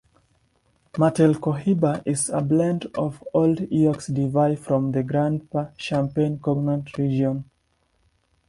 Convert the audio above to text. Martell Cohiba is a blend of old eaux-de-vie from the Grande Champagne cognac region.